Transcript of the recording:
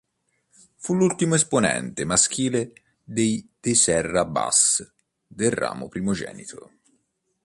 Fu l'ultimo esponente maschile dei de Serra Bas del ramo primogenito.